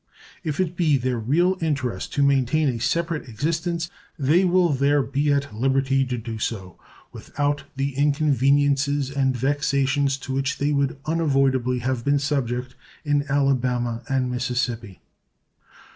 If it be their real interest to maintain a separate existence, they will there be at liberty to do so without the inconveniences and vexations to which they would unavoidably have been subject in Alabama and Mississippi.